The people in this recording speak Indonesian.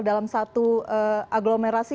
dalam satu agglomerasi